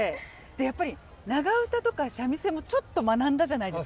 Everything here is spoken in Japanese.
やっぱり長唄とか三味線もちょっと学んだじゃないですか。